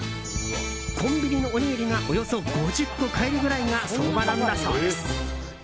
コンビニのおにぎりがおよそ５０個買えるくらいが相場なんだそうです。